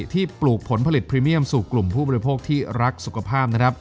ปลูกผลผลิตพรีเมียมสู่กลุ่มผู้บริโภคที่รักสุขภาพ